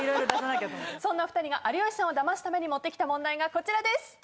そんなお二人が有吉さんをダマすために持ってきた問題がこちらです。